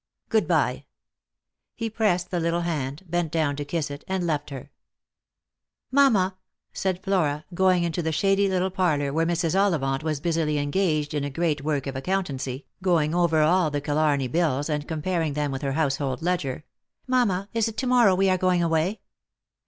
Good bye." He pressed the little hand, bent down to kiss it, and left her. Lott for Love. 827 " Mamma," said Flora, going into the shady little parlour where Mrs. Ollivant was busily engaged in a great work of accountancy, going over all the Killarney bills, and comparing them with her household ledger, —" mamma, is it to morrow we are going away